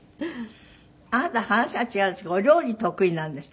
あなた話は違うんですけどお料理得意なんですってね。